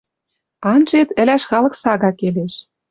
Анжет, ӹлӓш халык сага келеш